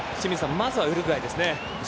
まずはウルグアイですね。